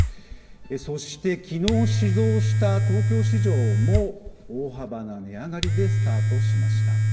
そして、きのう始動した東京市場も大幅な値上がりでスタートしました。